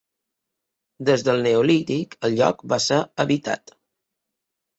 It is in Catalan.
Des del neolític, el lloc va ser habitat.